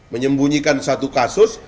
menyembunyikan satu kasus